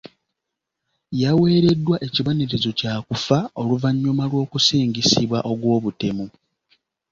Yaweereddwa ekibonerezo kya kufa oluvannyuma lw'okusingisibwa ogw'obutemu.